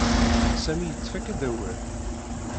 Sami yettfaka-d awal.